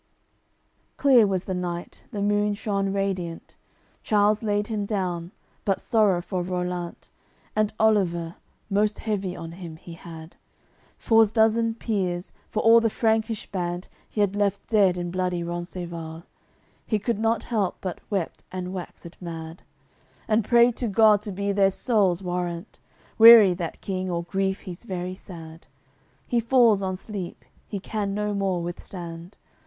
CLXXXIV Clear was the night, the moon shone radiant. Charles laid him down, but sorrow for Rollant And Oliver, most heavy on him he had, For's dozen peers, for all the Frankish band He had left dead in bloody Rencesvals; He could not help, but wept and waxed mad, And prayed to God to be their souls' Warrant. Weary that King, or grief he's very sad; He falls on sleep, he can no more withstand.